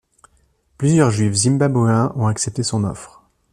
Plusieurs Juifs zimbabwéens ont accepté son offre.